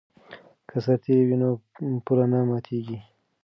که سرتیری وي نو پوله نه ماتیږي.